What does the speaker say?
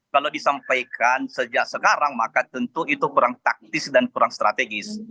kalau disampaikan sejak sekarang maka tentu itu kurang taktis dan kurang strategis